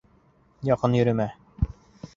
Яҡын йөрөмә!